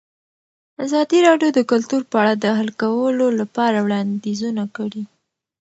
ازادي راډیو د کلتور په اړه د حل کولو لپاره وړاندیزونه کړي.